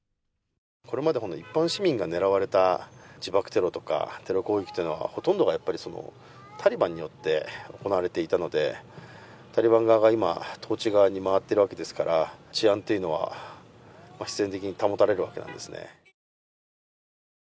これまで一般市民が狙われた自爆テロとかテロ攻撃はほとんどがタリバンによって行われていたので、タリバン側が統治側に回ってるわけですから治安は必然的に保たれるわけなんですね。